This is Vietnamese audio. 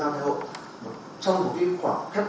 mang thai hộ trong một môi trường khép kín